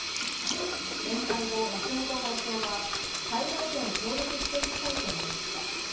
面会後、松本会長は、最大限協力していきたいと述べました。